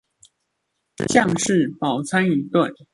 將士飽餐一頓